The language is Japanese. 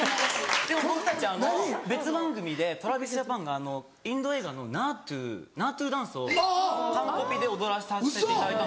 でも僕たち別番組でＴｒａｖｉｓＪａｐａｎがインド映画のナートゥダンスを完コピで踊らさせていただいたんですよ。